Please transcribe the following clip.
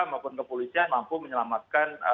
maupun kepolisian mampu menyelamatkan